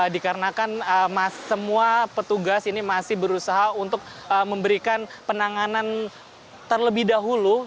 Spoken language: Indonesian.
dikarenakan semua petugas ini masih berusaha untuk memberikan penanganan terlebih dahulu